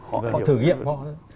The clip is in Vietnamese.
họ thử nghiệm